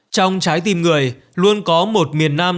trong trái tim người luôn có một miền nam